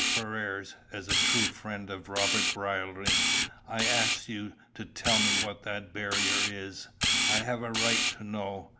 Ferrars, as a true friend of Robert Brierly, I ask you to tell me what that barrier is? I have a right to know."